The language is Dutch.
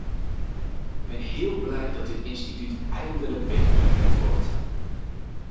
Ik ben heel blij dat dit instituut eindelijk werkelijkheid wordt.